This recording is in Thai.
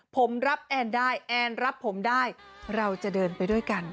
ผมรับแอนได้แอนรับผมได้เราจะเดินไปด้วยกัน